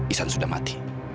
isan sudah mati